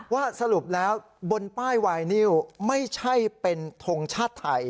สรุปแล้วบนป้ายไวนิวไม่ใช่เป็นทงชาติไทย